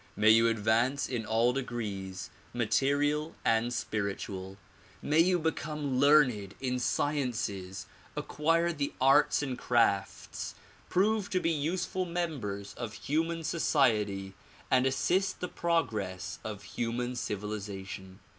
May you advance in all degrees material and spiritual. j\Iay you become learned in sciences, acquire the arts and crafts, prove to be useful members of human society and assist the progress of human civili zation.